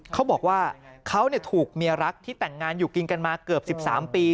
เขาบอกว่าเขาถูกเมียรักที่แต่งงานอยู่กินกันมาเกือบ๑๓ปี